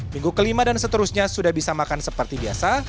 minggu kelima dan seterusnya sudah bisa makan seperti biasa